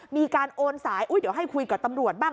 มีการโอนสายเดี๋ยวให้คุยกับตำรวจบ้าง